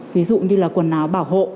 ví dụ như là quần áo bảo hộ